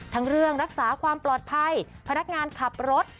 เรื่องรักษาความปลอดภัยพนักงานขับรถ